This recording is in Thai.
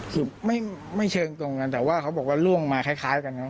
คือไม่เชิงตรงกันแต่ว่าเขาบอกว่าล่วงมาคล้ายกันนะ